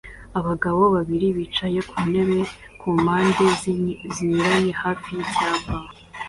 Abagabo babiri bicaye ku ntebe ku mpande zinyuranye hafi y'icyapa